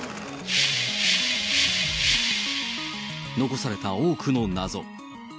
残された多くの謎。